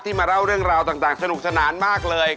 มาเล่าเรื่องราวต่างสนุกสนานมากเลย